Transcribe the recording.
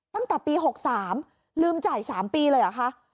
ตั้งแต่ปี๖๓ลืมจ่าย๓ปีเลยเหรอคะ